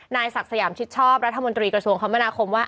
นายศักดิ์สยามชิดชอบรัฐมนตรีกระทรวงคมนาคมว่า